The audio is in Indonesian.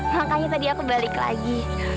makanya tadi aku balik lagi